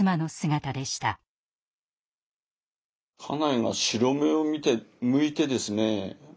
家内が白目をむいてですね